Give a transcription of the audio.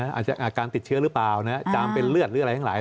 อาจจะอาการติดเชื้อหรือเปล่าจามเป็นเลือดหรืออะไรทั้งหลาย